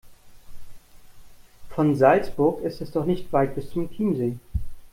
Von Salzburg ist es doch nicht weit bis zum Chiemsee.